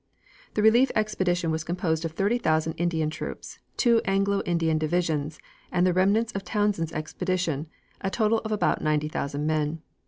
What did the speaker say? The relief expedition was composed of thirty thousand Indian troops, two Anglo Indian divisions, and the remnants of Townshend's expedition, a total of about ninety thousand men.